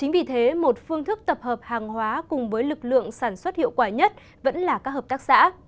vì thế một phương thức tập hợp hàng hóa cùng với lực lượng sản xuất hiệu quả nhất vẫn là các hợp tác xã